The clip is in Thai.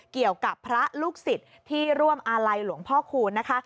เกี่ยวกับพระลูกศิษย์ที่ร่วมอาลัยหลวงพ่อคูณนะคะ